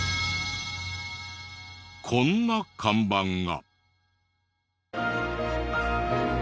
こんな看板が。